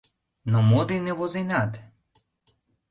— Но мо дене возенат?